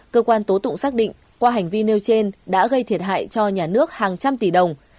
cơ quan tố tụng xác định qua hành vi nêu trên đã gây thiệt hại cho nhà nước hàng trăm tỷ đồng